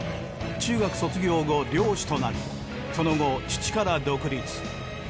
中学卒業後漁師となりその後父から独立。